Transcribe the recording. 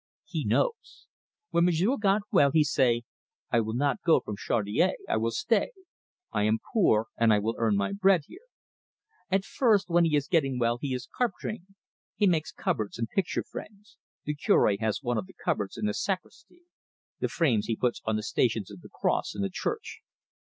He knows. When m'sieu' got well, he say, 'I will not go from Chaudiere; I will stay. I am poor, and I will earn my bread here.' At first, when he is getting well, he is carpent'ring. He makes cupboards and picture frames. The Cure has one of the cupboards in the sacristy; the frames he puts on the Stations of the Cross in the church."